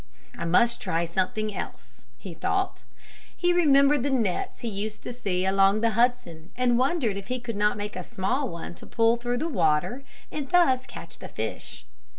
"I must try something else," he thought. He remembered the nets he used to see along the Hudson and wondered if he could not make a small one to pull through the water and thus catch the fish.